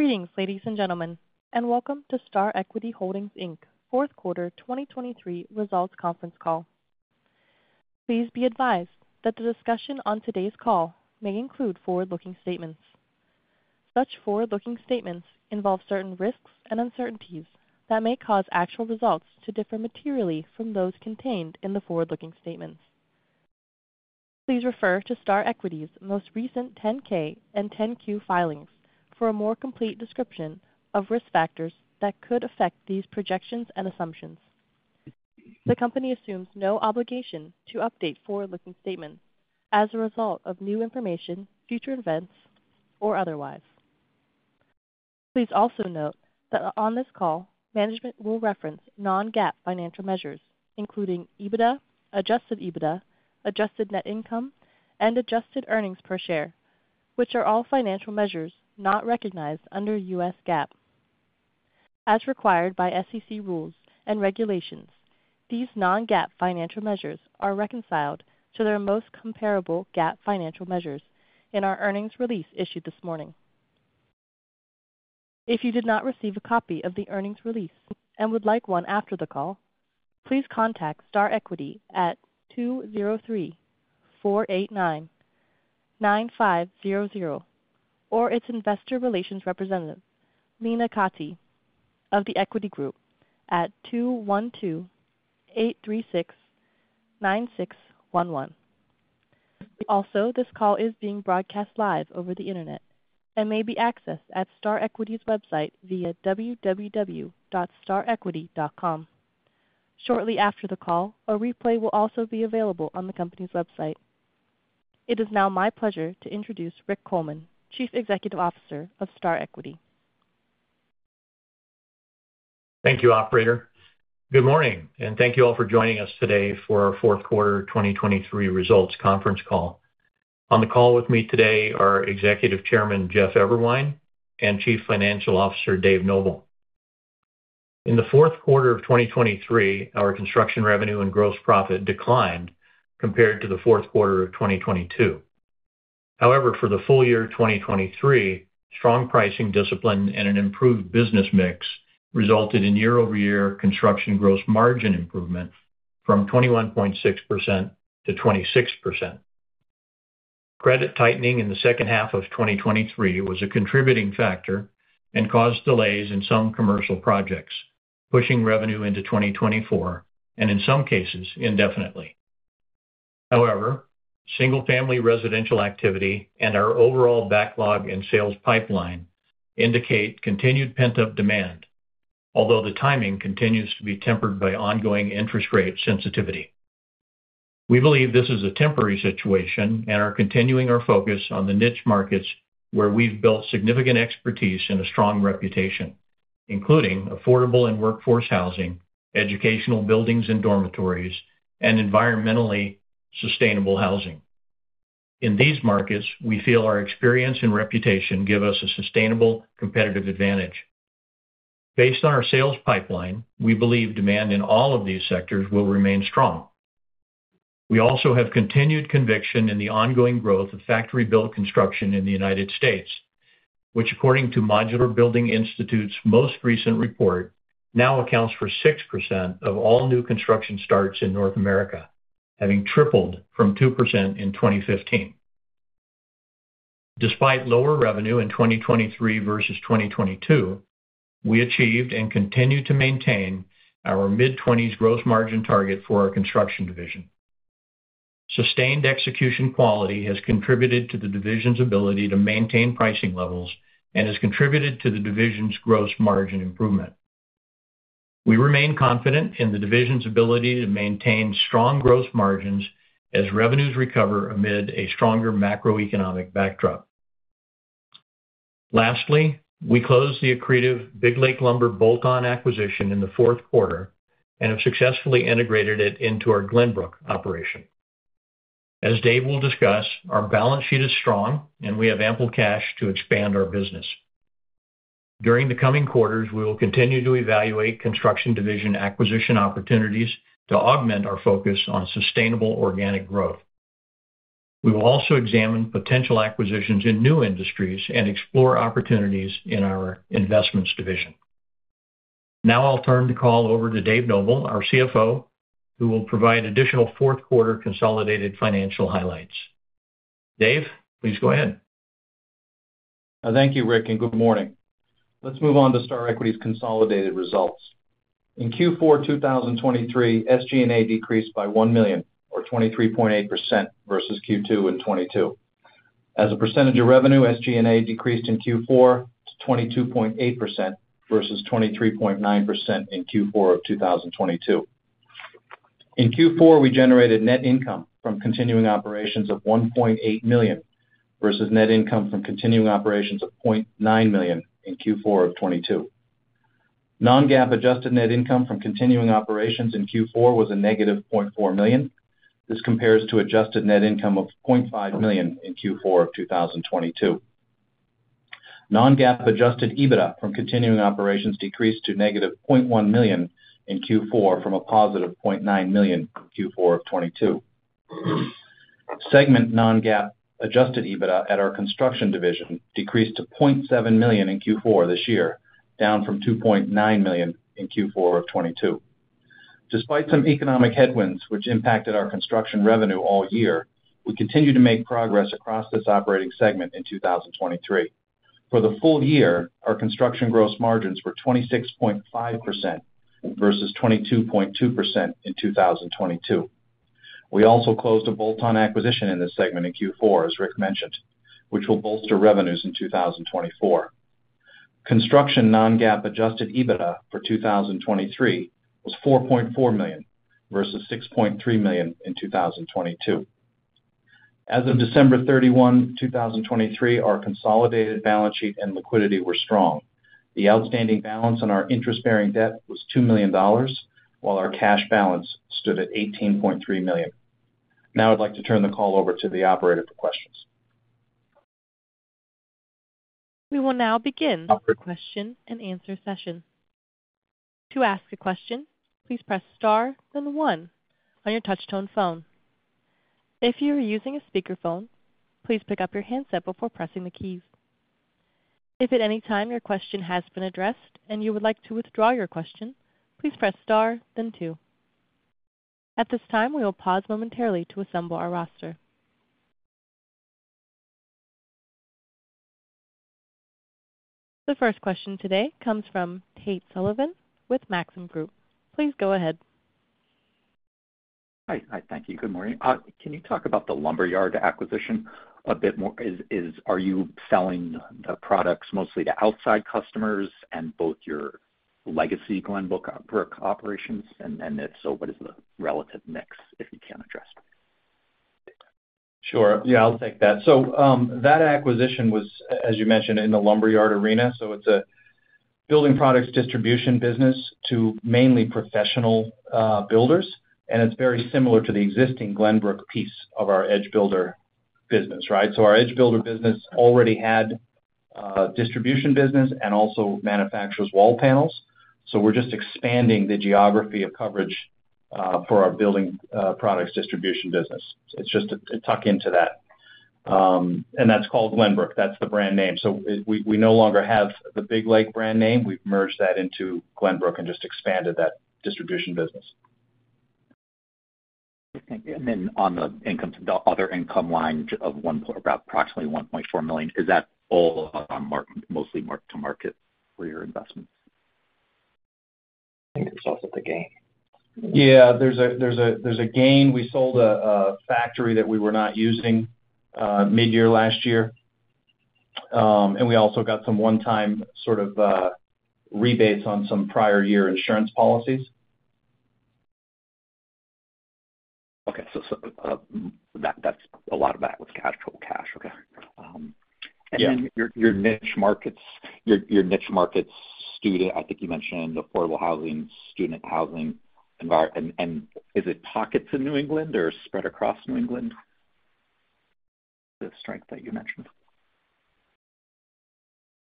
Greetings, ladies and gentlemen, and welcome to Star Equity Holdings, Inc. fourth quarter 2023 results conference call. Please be advised that the discussion on today's call may include forward-looking statements. Such forward-looking statements involve certain risks and uncertainties that may cause actual results to differ materially from those contained in the forward-looking statements. Please refer to Star Equity's most recent 10-K and 10-Q filings for a more complete description of risk factors that could affect these projections and assumptions. The company assumes no obligation to update forward-looking statements as a result of new information, future events, or otherwise. Please also note that on this call, management will reference non-GAAP financial measures, including EBITDA, adjusted EBITDA, adjusted net income, and adjusted earnings per share, which are all financial measures not recognized under U.S. GAAP. As required by SEC rules and regulations, these non-GAAP financial measures are reconciled to their most comparable GAAP financial measures in our earnings release issued this morning. If you did not receive a copy of the earnings release and would like one after the call, please contact Star Equity at 203-489-9500 or its investor relations representative, Lena Cati, of The Equity Group at 212-836-9611. Also, this call is being broadcast live over the internet and may be accessed at Star Equity's website via www.starequity.com. Shortly after the call, a replay will also be available on the company's website. It is now my pleasure to introduce Rick Coleman, Chief Executive Officer of Star Equity. Thank you, Operator. Good morning, and thank you all for joining us today for our fourth quarter 2023 results conference call. On the call with me today are Executive Chairman Jeff Eberwein and Chief Financial Officer Dave Noble. In the fourth quarter of 2023, our construction revenue and gross profit declined compared to the fourth quarter of 2022. However, for the full year 2023, strong pricing discipline and an improved business mix resulted in year-over-year construction gross margin improvement from 21.6%-26%. Credit tightening in the second half of 2023 was a contributing factor and caused delays in some commercial projects, pushing revenue into 2024 and, in some cases, indefinitely. However, single-family residential activity and our overall backlog and sales pipeline indicate continued pent-up demand, although the timing continues to be tempered by ongoing interest rate sensitivity. We believe this is a temporary situation and are continuing our focus on the niche markets where we've built significant expertise and a strong reputation, including affordable and workforce housing, educational buildings and dormitories, and environmentally sustainable housing. In these markets, we feel our experience and reputation give us a sustainable competitive advantage. Based on our sales pipeline, we believe demand in all of these sectors will remain strong. We also have continued conviction in the ongoing growth of factory-built construction in the United States, which, according to Modular Building Institute's most recent report, now accounts for 6% of all new construction starts in North America, having tripled from 2% in 2015. Despite lower revenue in 2023 versus 2022, we achieved and continue to maintain our mid-20s gross margin target for our construction division. Sustained execution quality has contributed to the division's ability to maintain pricing levels and has contributed to the division's gross margin improvement. We remain confident in the division's ability to maintain strong gross margins as revenues recover amid a stronger macroeconomic backdrop. Lastly, we closed the accretive Big Lake Lumber bolt-on acquisition in the fourth quarter and have successfully integrated it into our Glenbrook operation. As Dave will discuss, our balance sheet is strong and we have ample cash to expand our business. During the coming quarters, we will continue to evaluate construction division acquisition opportunities to augment our focus on sustainable organic growth. We will also examine potential acquisitions in new industries and explore opportunities in our investments division. Now I'll turn the call over to Dave Noble, our CFO, who will provide additional fourth-quarter consolidated financial highlights. Dave, please go ahead. Thank you, Rick, and good morning. Let's move on to Star Equity's consolidated results. In Q4 2023, SG&A decreased by $1 million, or 23.8%, versus Q4 in 2022. As a percentage of revenue, SG&A decreased in Q4 to 22.8% versus 23.9% in Q4 of 2022. In Q4, we generated net income from continuing operations of $1.8 million versus net income from continuing operations of $0.9 million in Q4 of 2022. Non-GAAP adjusted net income from continuing operations in Q4 was -$0.4 million. This compares to adjusted net income of $0.5 million in Q4 of 2022. Non-GAAP adjusted EBITDA from continuing operations decreased to -$0.1 million in Q4 from $0.9 million in Q4 of 2022. Segment non-GAAP adjusted EBITDA at our construction division decreased to $0.7 million in Q4 this year, down from $2.9 million in Q4 of 2022. Despite some economic headwinds which impacted our construction revenue all year, we continue to make progress across this operating segment in 2023. For the full year, our construction gross margins were 26.5% versus 22.2% in 2022. We also closed a bolt-on acquisition in this segment in Q4, as Rick mentioned, which will bolster revenues in 2024. Construction non-GAAP Adjusted EBITDA for 2023 was $4.4 million versus $6.3 million in 2022. As of December 31, 2023, our consolidated balance sheet and liquidity were strong. The outstanding balance on our interest-bearing debt was $2 million, while our cash balance stood at $18.3 million. Now I'd like to turn the call over to the operator for questions. We will now begin the question and answer session. To ask a question, please press star, then 1 on your touch-tone phone. If you are using a speakerphone, please pick up your handset before pressing the keys. If at any time your question has been addressed and you would like to withdraw your question, please press star, then 2. At this time, we will pause momentarily to assemble our roster. The first question today comes from Tate Sullivan with Maxim Group. Please go ahead. Hi. Hi. Thank you. Good morning. Can you talk about the lumber yard acquisition a bit more? Are you selling the products mostly to outside customers and both your legacy Glenbrook operations? And if so, what is the relative mix, if you can address? Sure. Yeah, I'll take that. So that acquisition was, as you mentioned, in the lumber yard arena. So it's a building products distribution business to mainly professional builders. And it's very similar to the existing Glenbrook piece of our EdgeBuilder business, right? So our edge builder business already had distribution business and also manufactures wall panels. So we're just expanding the geography of coverage for our building products distribution business. It's tucked into that. And that's called Glenbrook. That's the brand name. So we no longer have the Big Lake brand name. We've merged that into Glenbrook and just expanded that distribution business. On the other income line of approximately $1.4 million, is that all mostly marked to market for your investments? I think it's also the gain. Yeah, there's a gain. We sold a factory that we were not using mid-year last year. We also got some one-time sort of rebates on some prior year insurance policies. Okay. So that's a lot of that was cash. Okay. And then your niche markets, student. I think you mentioned affordable housing, student housing. And is it pockets in New England or spread across New England? The strength that you mentioned.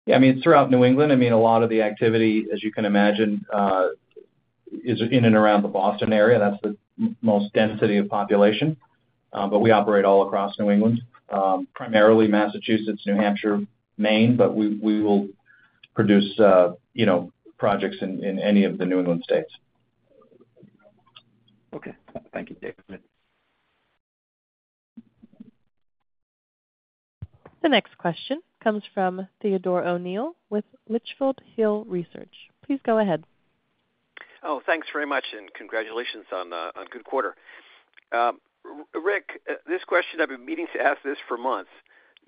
Yeah. I mean, it's throughout New England. I mean, a lot of the activity, as you can imagine, is in and around the Boston area. That's the most density of population. But we operate all across New England, primarily Massachusetts, New Hampshire, Maine. But we will produce projects in any of the New England states. Okay. Thank you, David. The next question comes from Theodore O'Neill with Litchfield Hills Research. Please go ahead. Oh, thanks very much, and congratulations on good quarter. Rick, this question, I've been meaning to ask this for months.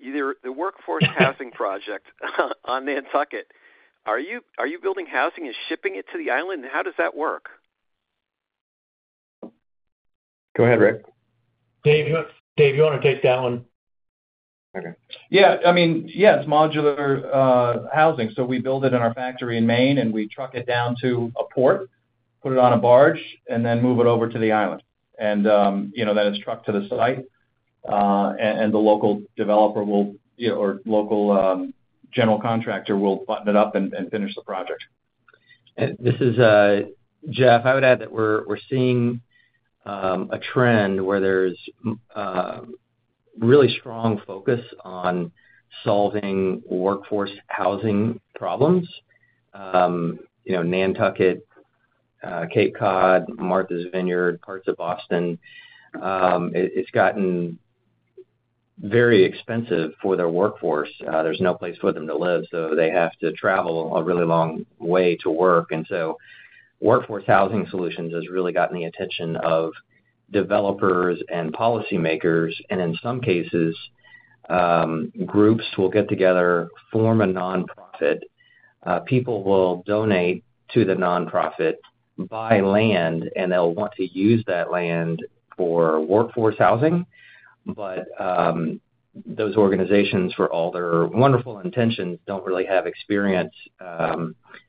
The workforce housing project on Nantucket, are you building housing and shipping it to the island? How does that work? Go ahead, Rick. Dave, you want to take that one? Yeah. I mean, yeah, it's modular housing. So we build it in our factory in Maine, and we truck it down to a port, put it on a barge, and then move it over to the island. And then it's trucked to the site. And the local developer or local general contractor will button it up and finish the project. This is Jeff. I would add that we're seeing a trend where there's really strong focus on solving workforce housing problems. Nantucket, Cape Cod, Martha's Vineyard, parts of Boston—it's gotten very expensive for their workforce. There's no place for them to live, so they have to travel a really long way to work. And so workforce housing solutions has really gotten the attention of developers and policymakers. And in some cases, groups will get together, form a nonprofit. People will donate to the nonprofit, buy land, and they'll want to use that land for workforce housing. But those organizations, for all their wonderful intentions, don't really have experience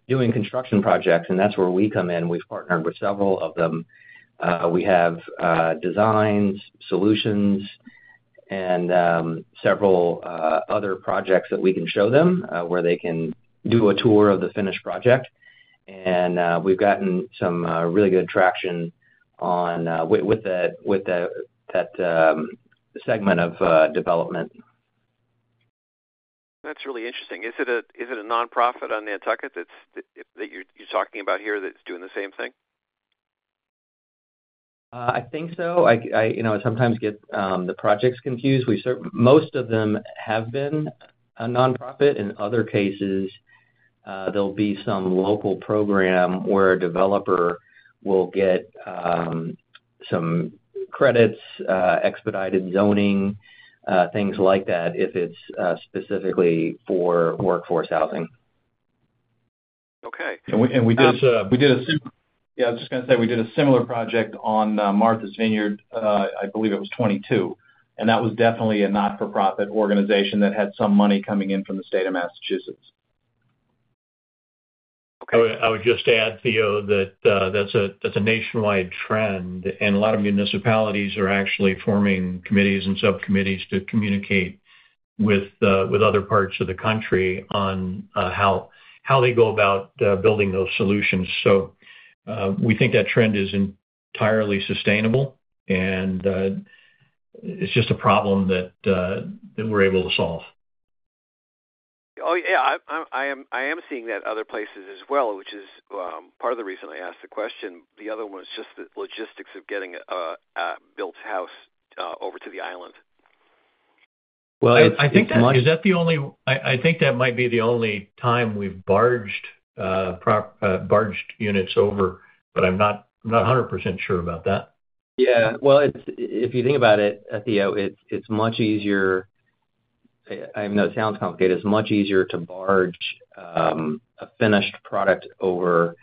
doing construction projects. And that's where we come in. We've partnered with several of them. We have designs, solutions, and several other projects that we can show them where they can do a tour of the finished project. We've gotten some really good traction with that segment of development. That's really interesting. Is it a nonprofit on Nantucket that you're talking about here that's doing the same thing? I think so. I sometimes get the projects confused. Most of them have been a nonprofit. In other cases, there'll be some local program where a developer will get some credits, expedited zoning, things like that if it's specifically for workforce housing. Okay. And we did a similar yeah, I was just going to say we did a similar project on Martha's Vineyard, I believe it was 2022. And that was definitely a not-for-profit organization that had some money coming in from the state of Massachusetts. I would just add, Theo, that that's a nationwide trend. And a lot of municipalities are actually forming committees and subcommittees to communicate with other parts of the country on how they go about building those solutions. So we think that trend is entirely sustainable. And it's just a problem that we're able to solve. Oh, yeah. I am seeing that other places as well, which is part of the reason I asked the question. The other one was just the logistics of getting a built house over to the island. Well, I think that's much. Is that the only? I think that might be the only time we've barged units over. But I'm not 100% sure about that. Yeah. Well, if you think about it, Theo, it's much easier, I mean, it sounds complicated. It's much easier to barge a finished product over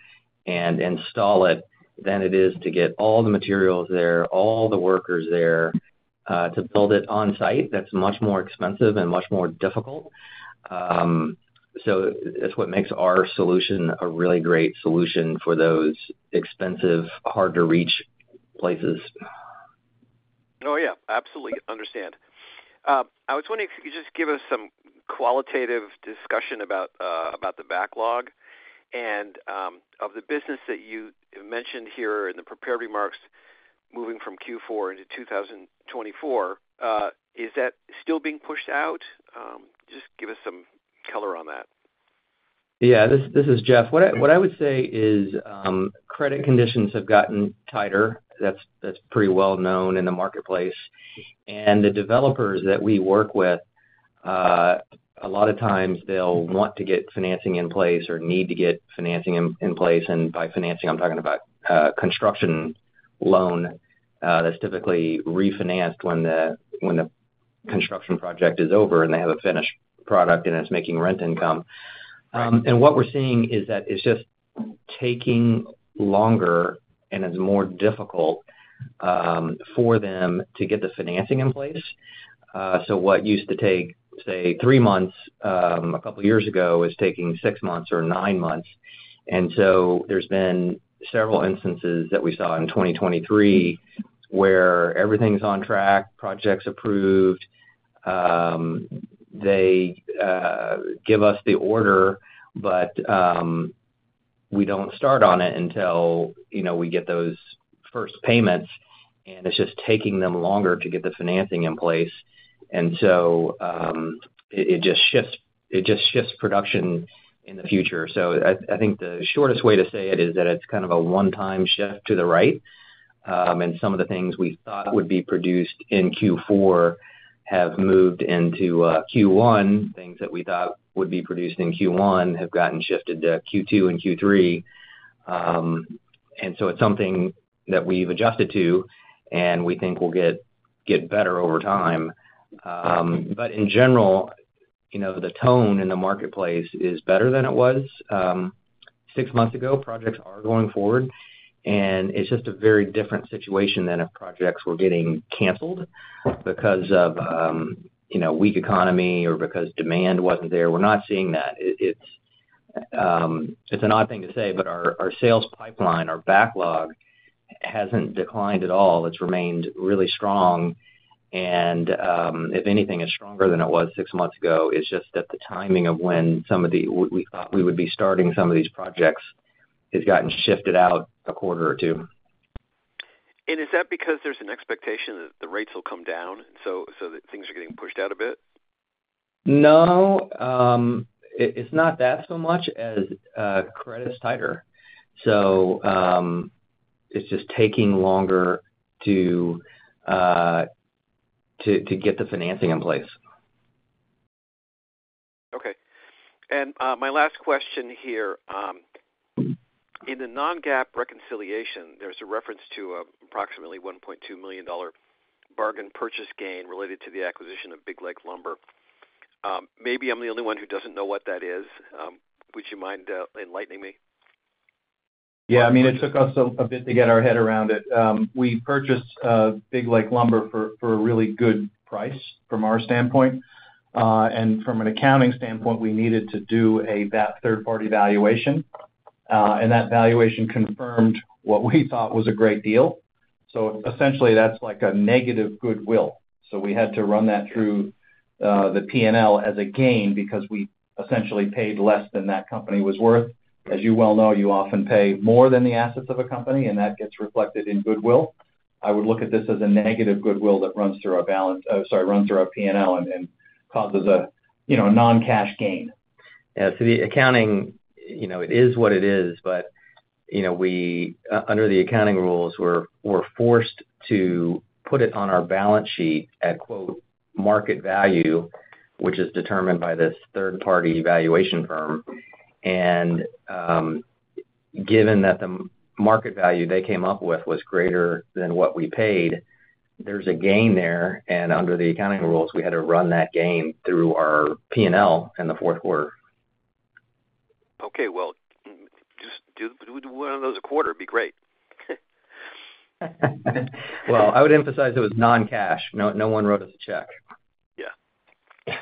and install it than it is to get all the materials there, all the workers there to build it on-site. That's much more expensive and much more difficult. So that's what makes our solution a really great solution for those expensive, hard-to-reach places. Oh, yeah. Absolutely. Understand. I was wondering if you could just give us some qualitative discussion about the backlog and of the business that you mentioned here in the prepared remarks, moving from Q4 into 2024. Is that still being pushed out? Just give us some color on that. Yeah. This is Jeff. What I would say is credit conditions have gotten tighter. That's pretty well known in the marketplace. And the developers that we work with, a lot of times, they'll want to get financing in place or need to get financing in place. And by financing, I'm talking about construction loan that's typically refinanced when the construction project is over and they have a finished product and it's making rent income. And what we're seeing is that it's just taking longer and it's more difficult for them to get the financing in place. So what used to take, say, 3 months a couple of years ago is taking 6 months or 9 months. And so there's been several instances that we saw in 2023 where everything's on track, projects approved. They give us the order, but we don't start on it until we get those first payments. It's just taking them longer to get the financing in place. So it just shifts production in the future. So I think the shortest way to say it is that it's kind of a one-time shift to the right. And some of the things we thought would be produced in Q4 have moved into Q1. Things that we thought would be produced in Q1 have gotten shifted to Q2 and Q3. And so it's something that we've adjusted to, and we think we'll get better over time. But in general, the tone in the marketplace is better than it was six months ago. Projects are going forward. And it's just a very different situation than if projects were getting canceled because of weak economy or because demand wasn't there. We're not seeing that. It's an odd thing to say, but our sales pipeline, our backlog, hasn't declined at all. It's remained really strong. And if anything, it's stronger than it was six months ago. It's just that the timing of when we thought we would be starting some of these projects has gotten shifted out a quarter or two. Is that because there's an expectation that the rates will come down so that things are getting pushed out a bit? No. It's not that so much as credit's tighter. So it's just taking longer to get the financing in place. Okay. And my last question here. In the non-GAAP reconciliation, there's a reference to an approximately $1.2 million bargain purchase gain related to the acquisition of Big Lake Lumber. Maybe I'm the only one who doesn't know what that is. Would you mind enlightening me? Yeah. I mean, it took us a bit to get our head around it. We purchased Big Lake Lumber for a really good price from our standpoint. And from an accounting standpoint, we needed to do a third-party valuation. And that valuation confirmed what we thought was a great deal. So essentially, that's like a negative goodwill. So we had to run that through the P&L as a gain because we essentially paid less than that company was worth. As you well know, you often pay more than the assets of a company, and that gets reflected in goodwill. I would look at this as a negative goodwill that runs through our balance, sorry, runs through our P&L and causes a non-cash gain. Yeah. So the accounting, it is what it is. But under the accounting rules, we're forced to put it on our balance sheet at "market value," which is determined by this third-party valuation firm. And given that the market value they came up with was greater than what we paid, there's a gain there. And under the accounting rules, we had to run that gain through our P&L in the fourth quarter. Okay. Well, do one of those a quarter would be great. Well, I would emphasize it was non-cash. No one wrote us a check. Yeah.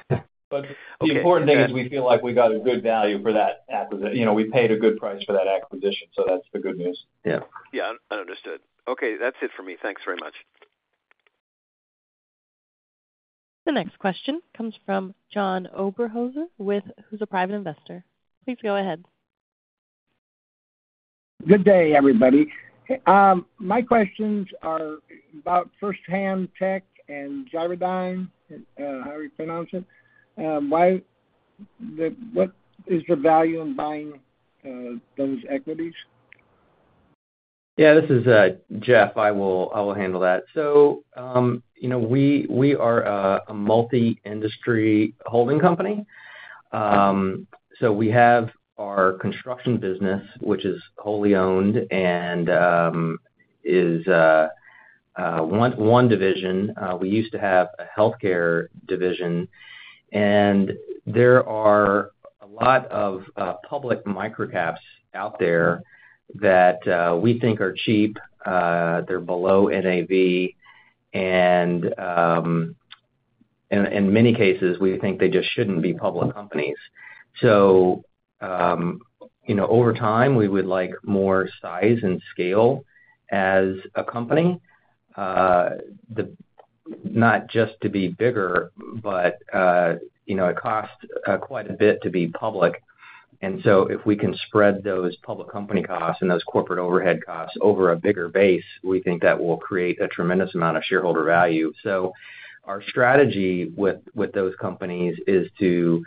But the important thing is we feel like we got a good value for that we paid a good price for that acquisition. So that's the good news. Yeah. Yeah. Understood. Okay. That's it for me. Thanks very much. The next question comes from John Oberhoser, who's a private investor. Please go ahead. Good day, everybody. My questions are about Firsthand Tech and Gyrodyne, however you pronounce it. What is the value in buying those equities? Yeah. This is Jeff. I will handle that. So we are a multi-industry holding company. So we have our construction business, which is wholly owned and is one division. We used to have a healthcare division. And there are a lot of public microcaps out there that we think are cheap. They're below NAV. And in many cases, we think they just shouldn't be public companies. So over time, we would like more size and scale as a company, not just to be bigger, but it costs quite a bit to be public. And so if we can spread those public company costs and those corporate overhead costs over a bigger base, we think that will create a tremendous amount of shareholder value. So our strategy with those companies is to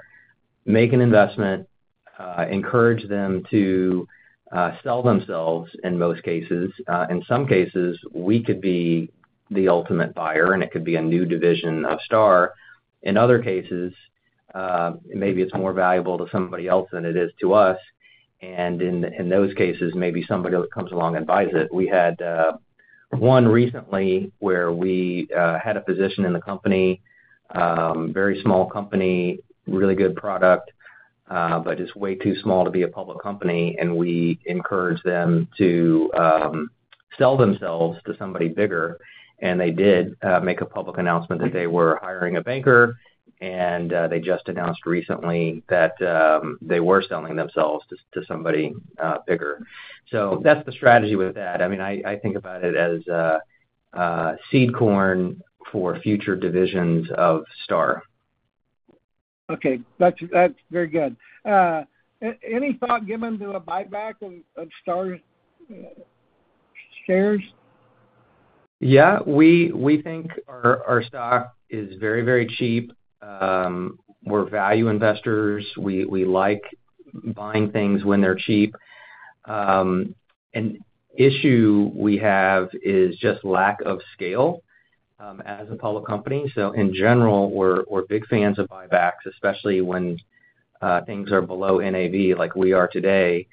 make an investment, encourage them to sell themselves in most cases. In some cases, we could be the ultimate buyer, and it could be a new division of STAR. In other cases, maybe it's more valuable to somebody else than it is to us. And in those cases, maybe somebody comes along and buys it. We had one recently where we had a position in the company, very small company, really good product, but just way too small to be a public company. And we encouraged them to sell themselves to somebody bigger. And they did make a public announcement that they were hiring a banker. And they just announced recently that they were selling themselves to somebody bigger. So that's the strategy with that. I mean, I think about it as seed corn for future divisions of STAR. Okay. That's very good. Any thought given to a buyback of STAR's shares? Yeah. We think our stock is very, very cheap. We're value investors. We like buying things when they're cheap. An issue we have is just lack of scale as a public company. So in general, we're big fans of buybacks, especially when things are below NAV like we are today.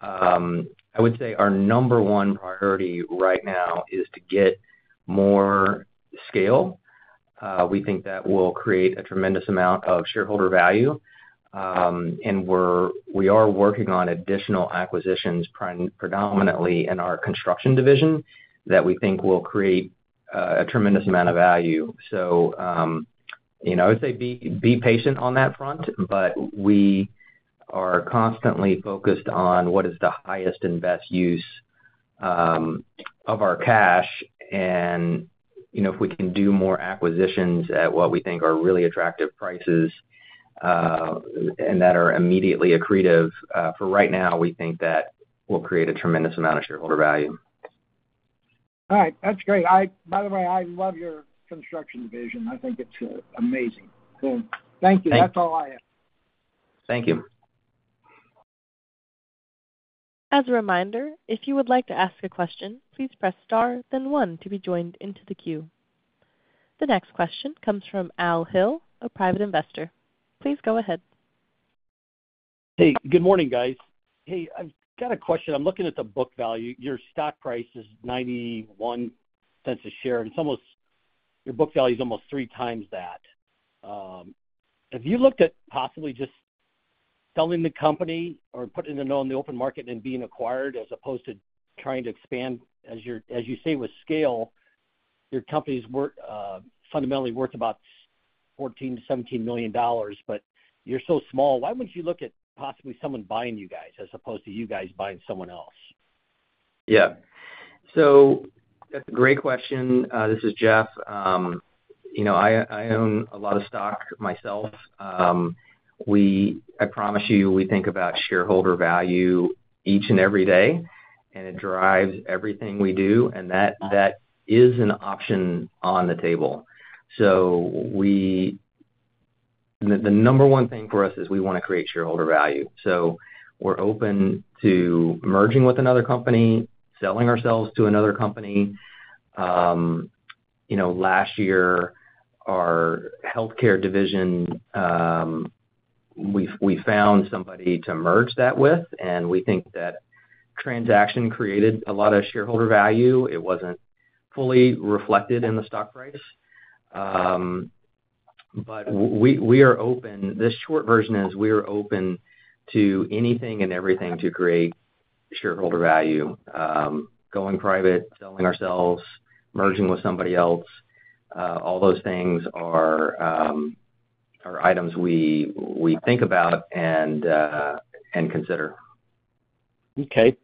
I would say our number one priority right now is to get more scale. We think that will create a tremendous amount of shareholder value. And we are working on additional acquisitions, predominantly in our construction division, that we think will create a tremendous amount of value. So I would say be patient on that front. But we are constantly focused on what is the highest and best use of our cash. If we can do more acquisitions at what we think are really attractive prices and that are immediately accretive, for right now, we think that will create a tremendous amount of shareholder value. All right. That's great. By the way, I love your construction division. I think it's amazing. So thank you. That's all I have. Thank you. As a reminder, if you would like to ask a question, please press star, then 1 to be joined into the queue. The next question comes from Al Hill, a private investor. Please go ahead. Hey. Good morning, guys. Hey, I've got a question. I'm looking at the book value. Your stock price is $0.91 a share. Your book value is almost three times that. Have you looked at possibly just selling the company or putting it on the open market and being acquired as opposed to trying to expand? As you say with scale, your company's fundamentally worth about $14 million-$17 million. But you're so small. Why wouldn't you look at possibly someone buying you guys as opposed to you guys buying someone else? Yeah. So that's a great question. This is Jeff. I own a lot of stock myself. I promise you, we think about shareholder value each and every day, and it drives everything we do. And that is an option on the table. So the number one thing for us is we want to create shareholder value. So we're open to merging with another company, selling ourselves to another company. Last year, our healthcare division, we found somebody to merge that with. And we think that transaction created a lot of shareholder value. It wasn't fully reflected in the stock price. But we are open. This short version is we are open to anything and everything to create shareholder value. Going private, selling ourselves, merging with somebody else, all those things are items we think about and consider. Okay.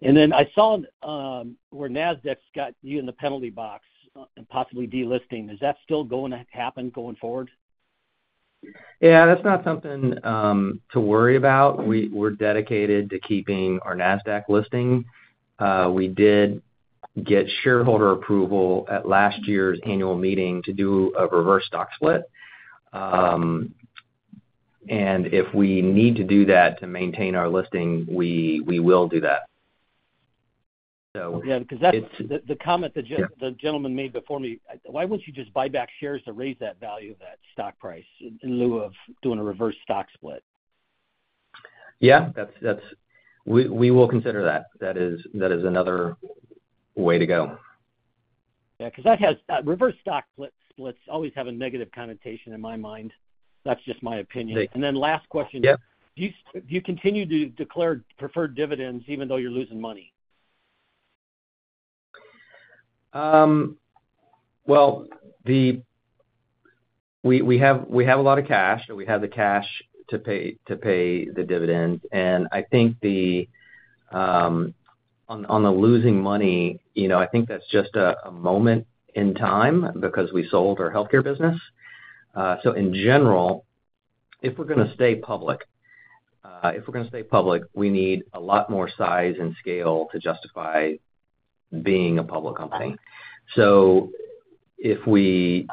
And then I saw where Nasdaq's got you in the penalty box and possibly delisting. Is that still going to happen going forward? Yeah. That's not something to worry about. We're dedicated to keeping our Nasdaq listing. We did get shareholder approval at last year's annual meeting to do a reverse stock split. If we need to do that to maintain our listing, we will do that. Yeah. Because that's the comment the gentleman made before me. Why wouldn't you just buy back shares to raise that value of that stock price in lieu of doing a reverse stock split? Yeah. We will consider that. That is another way to go. Yeah. Because reverse stock splits always have a negative connotation in my mind. That's just my opinion. Then last question. Do you continue to declare preferred dividends even though you're losing money? Well, we have a lot of cash, and we have the cash to pay the dividends. And I think on the losing money, I think that's just a moment in time because we sold our healthcare business. So in general, if we're going to stay public if we're going to stay public, we need a lot more size and scale to justify being a public company. So if we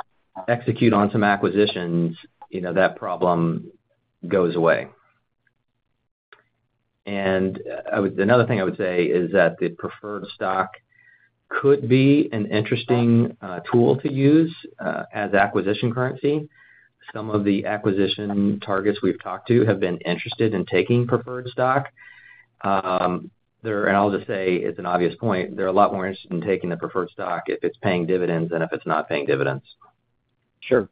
execute on some acquisitions, that problem goes away. And another thing I would say is that the preferred stock could be an interesting tool to use as acquisition currency. Some of the acquisition targets we've talked to have been interested in taking preferred stock. And I'll just say it's an obvious point. They're a lot more interested in taking the preferred stock if it's paying dividends than if it's not paying dividends. Sure.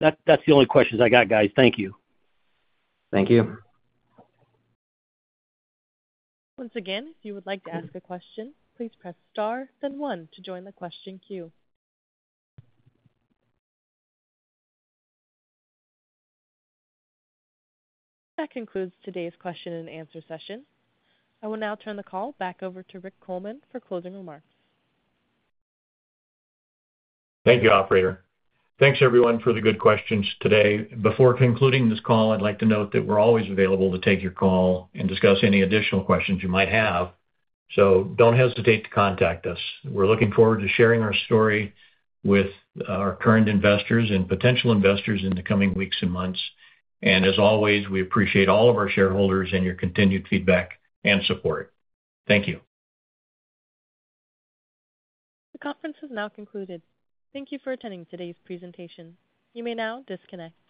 That's the only questions I got, guys. Thank you. Thank you. Once again, if you would like to ask a question, please press STAR, then 1 to join the question queue. That concludes today's question and answer session. I will now turn the call back over to Rick Coleman for closing remarks. Thank you, operator. Thanks, everyone, for the good questions today. Before concluding this call, I'd like to note that we're always available to take your call and discuss any additional questions you might have. So don't hesitate to contact us. We're looking forward to sharing our story with our current investors and potential investors in the coming weeks and months. And as always, we appreciate all of our shareholders and your continued feedback and support. Thank you. The conference has now concluded. Thank you for attending today's presentation. You may now disconnect.